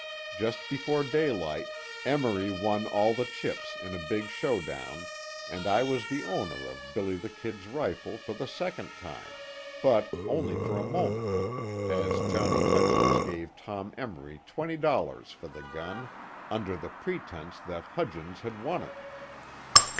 Just before daylight, Emory won all the chips, in a big show down, and I was the owner of "Billy the Kid's" rifle for the second time, but only for a moment, as Johnny Hudgens gave Tom Emory $20.00 for the gun, under the pretense that Hudgens had won it.